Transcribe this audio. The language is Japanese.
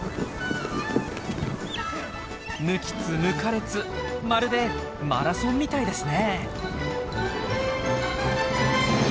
抜きつ抜かれつまるでマラソンみたいですねえ。